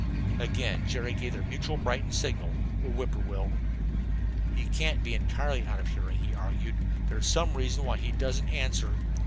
Again Jerry gave their mutual Brighton signal: "Whip poor will." "He can't be entirely out of hearing," he argued. "There's some reason why he doesn't answer."